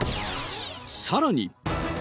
さらに。